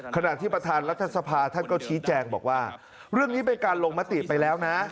ขณะที่ประธานรัฐสภาท่านก็ชี้แจงบอกว่าเรื่องนี้เป็นการลงมติไปแล้วนะ